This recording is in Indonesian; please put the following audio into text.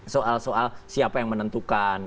soal soal siapa yang menentukan